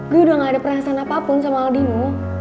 gue udah gak ada perasaan apapun sama aldimu